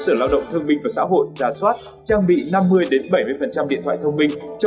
sở lao động thương minh và xã hội ra soát trang bị năm mươi bảy mươi điện thoại thông minh cho